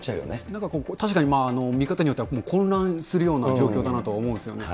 だから、確かに見方によっては、混乱するような状況だなと思うんですよね。